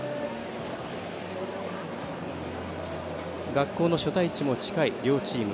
学校の所在地も近い両チーム。